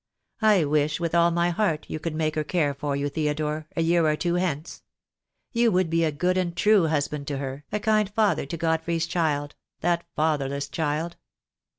I wish, with all my heart, you could make her care for you, Theodore, a year or two hence. You would be a good and true husband to her, a kind father to Godfrey's child — that fatherless child.